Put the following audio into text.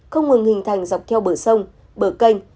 không ngừng hình thành dọc theo bờ sông bờ canh